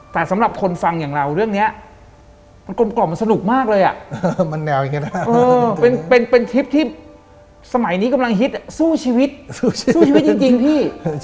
แต่สำหรับคนฟังอย่างเราเรื่องนี้มันกลมกล่อมมันสนุกมากเลยเป็นทริปที่สมัยนี้กำลังฮิตสู้ชีวิตสู้ชีวิตจริงพี่